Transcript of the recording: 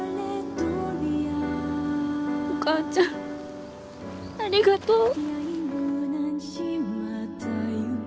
お母ちゃんありがとう。